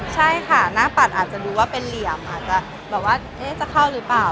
ใช่ค่ะหน้าปัดอาจจะดูว่าเป็นเหลี่ยมอาจจะแบบว่าจะเข้าหรือเปล่า